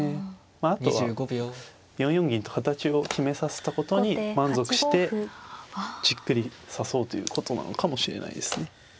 あとは４四銀と形を決めさせたことに満足してじっくり指そうということなのかもしれないですね。